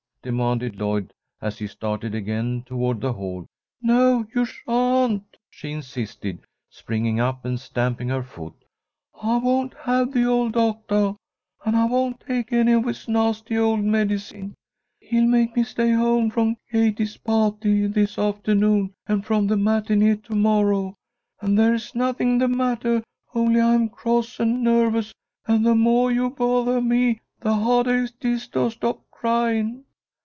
demanded Lloyd, as he started again toward the hall. "No, you sha'n't!" she insisted, springing up and stamping her foot. "I won't have the old doctah, and I won't take any of his nasty old medicine! He'll make me stay home from Katie's pah'ty this aftahnoon and from the matinée to morrow and there's nothing the mattah, only I'm cross and nervous, and the moah you bothah me the hah'dah it is to stop crying!"